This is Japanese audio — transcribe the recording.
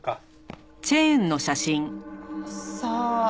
さあ。